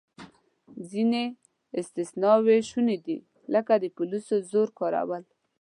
ځینې استثناوې شونې دي، لکه د پولیسو زور کارول.